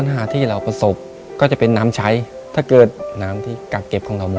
ในแคมเปญพิเศษเกมต่อชีวิตโรงเรียนของหนู